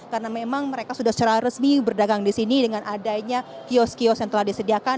karena memang mereka sudah secara resmi berdagang di sini dengan adanya kios kios yang telah disediakan